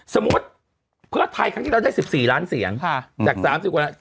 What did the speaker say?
สมมุติเพื่อไทยครั้งที่แล้วได้๑๔ล้านเสียงจาก๓๐กว่าล้าน